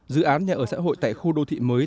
dự án nhà ở xã hội tại khu đô thị mới